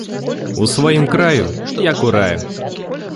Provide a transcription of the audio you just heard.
У сваім краю, як у раю